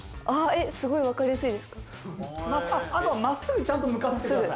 あとはまっすぐちゃんと向かせてください